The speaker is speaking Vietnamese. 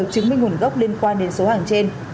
chứng minh nguồn gốc liên quan đến số hàng trên